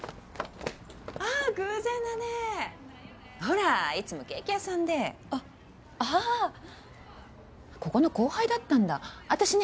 ああ偶然だねほらいつもケーキ屋さんであっああっここの後輩だったんだ私ね